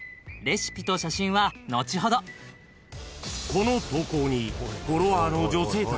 ［この投稿に］